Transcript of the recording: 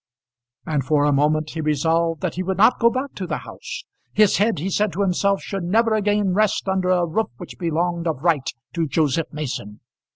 And for a moment he resolved that he would not go back to the house. His head, he said to himself, should never again rest under a roof which belonged of right to Joseph Mason.